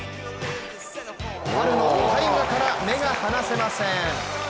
春のタイガから目が離せません。